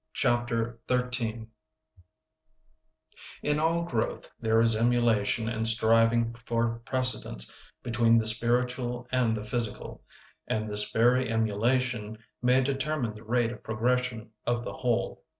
Chapter XIII In all growth there is emulation and striving for precedence between the spiritual and the physical, and this very emulation may determine the rate of progression of the whole.